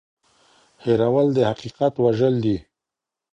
هېرول د حقیقت وژل دي.